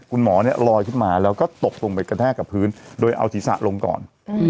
คุณหมอเนี่ยลอยขึ้นมาแล้วก็ตกลงไปกระแทกกับพื้นโดยเอาศีรษะลงก่อน